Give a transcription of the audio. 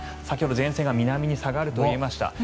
先ほど前線が南に下がるといいました。